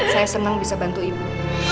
saya senang bisa bantu ibu